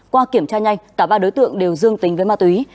qua kiểm tra nhanh cả ba đối tượng đều dương tính với ma túy